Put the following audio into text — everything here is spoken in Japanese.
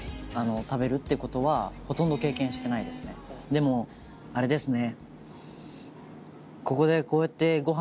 でもあれですね。